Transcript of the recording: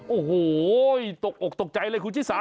โอ้โหตกใจเลยคุณชิศา